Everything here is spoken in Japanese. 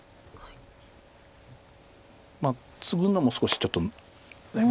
まあツグのも少しちょっとだいぶ。